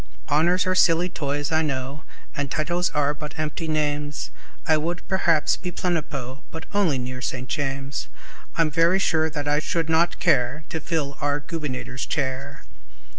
Honors are silly toys, I know, And titles are but empty names; I would, perhaps, be Plenipo, But only near St. James; I'm very sure I should not care To fill our Gubernator's chair.